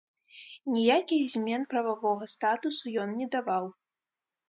Ніякіх змен прававога статусу ён не даваў.